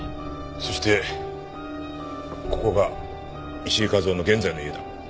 そしてここが石井和夫の現在の家だ。